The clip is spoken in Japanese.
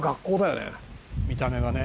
「見た目がね」